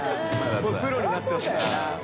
もうプロになってほしいな山崎）